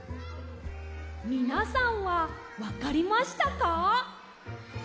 みなさんはわかりましたか？